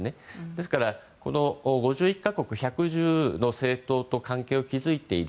ですから、５１か国１１０の政党と関係を築いている。